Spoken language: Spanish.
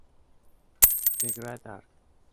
The Great Arc.